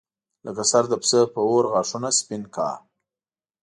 لکه سر د پسه په اور غاښونه سپین کا.